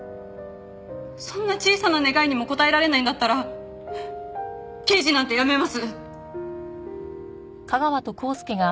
そんな小さな願いにも応えられないんだったら刑事なんて辞めます！